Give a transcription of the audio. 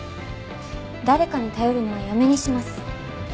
誰かに頼るのはやめにします。